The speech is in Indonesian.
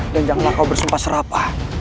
dan janganlah kau bersumpah serapa